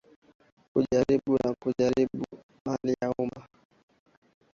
na kujaribu na kujaribu kuharibu mali ya umma